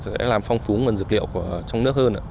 sẽ làm phong phú nguồn dược liệu trong nước hơn